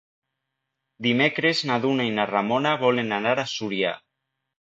Dimecres na Duna i na Ramona volen anar a Súria.